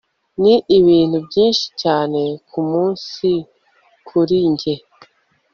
ni ibintu byinshi cyane ku munsi kuri njye